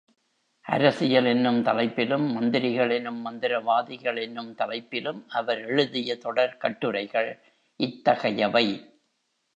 அரசியல் என்னும் தலைப்பிலும் மந்திரிகள் என்னும் மந்திரவாதிகள் என்னும் தலைப்பிலும் அவர் எழுதிய தொடர் கட்டுரைகள் இத்தகையவை.